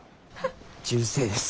銃声です。